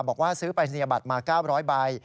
บอกว่าซื้อปรายศนียบัตรมา๙๐๐ใบ